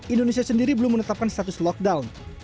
indonesia sendiri belum menetapkan status lockdown